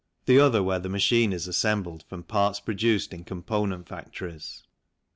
the other where the machine is assembled from parts produced in component factories.